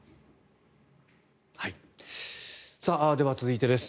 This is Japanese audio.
では、続いてです。